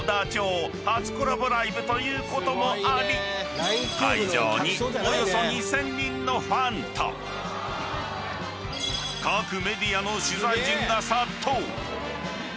［ということもあり会場におよそ２，０００人のファンと各メディアの取材陣が殺到］